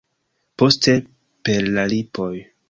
Poste per la lipoj.